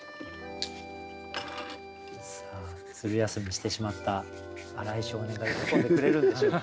さあずる休みしてしまった荒井少年が喜んでくれるんでしょうか？